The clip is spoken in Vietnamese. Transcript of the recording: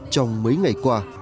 trong mấy ngày qua